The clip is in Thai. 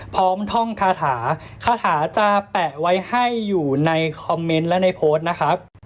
ท่องคาถาคาถาจะแปะไว้ให้อยู่ในคอมเมนต์และในโพสต์นะครับ